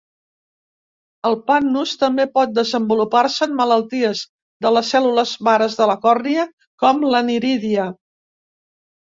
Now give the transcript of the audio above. El pannus també pot desenvolupar-se en malalties de les cèl·lules mare de la còrnia, com l'aniridia.